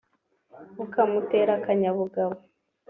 ukamutera akanyabugabo